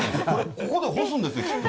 ここで干すんですよ、きっと。